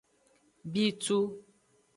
Bitu.